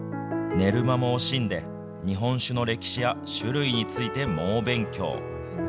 寝る間も惜しんで日本酒の歴史や種類について猛勉強。